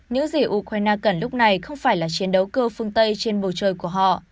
những gì ukraine cần lúc này không phải là chiến đấu cơ phương tây trên bầu trời của họ